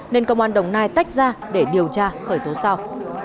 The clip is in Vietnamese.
nên công an đồng nai tách ra để điều tra khởi tố sau